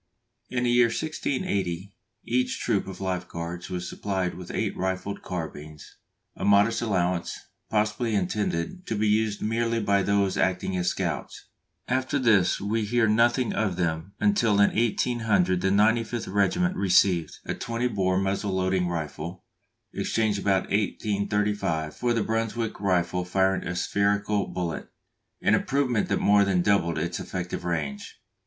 In the year 1680 each troop of Life Guards was supplied with eight rifled carbines, a modest allowance, possibly intended to be used merely by those acting as scouts. After this we hear nothing of them until in 1800 the 95th Regiment received a 20 bore muzzle loading rifle, exchanged about 1835 for the Brunswick rifle firing a spherical bullet, an improvement that more than doubled its effective range.